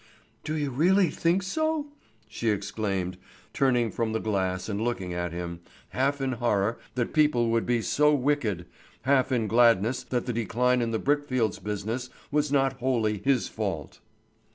"Do you really think so?" she exclaimed, turning from the glass and looking at him, half in horror that people could be so wicked, half in gladness that the decline in the brickfields business was not wholly his fault.